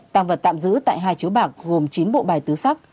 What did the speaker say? tăng vật tạm giữ tại hai chiếu bạc gồm chín bộ bài tứ sắc